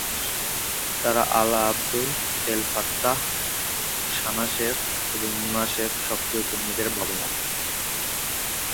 তারা Alaa Abd El Fattah, Sanaa Seif এবং Mona Seif সক্রিয় কর্মীদের বাবা-মা।